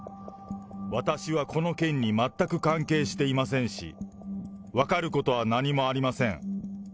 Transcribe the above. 私はこの件に全く関係していませんし、分かることは何もありません。